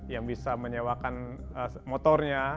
yang bisa menyewakan motornya